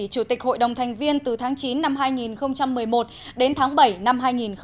chủ tịch hội đồng thành viên từ tháng chín năm hai nghìn một mươi một đến tháng bảy năm hai nghìn một mươi chín